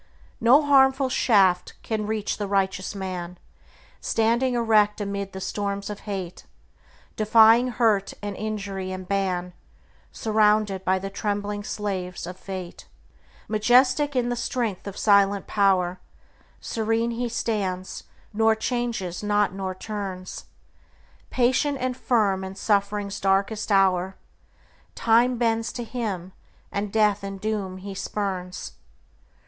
No harmful shaft can reach the righteous man, Standing erect amid the storms of hate, Defying hurt and injury and ban, Surrounded by the trembling slaves of Fate. Majestic in the strength of silent power, Serene he stands, nor changes not nor turns; Patient and firm in suffering's darkest hour, Time bends to him, and death and doom he spurns.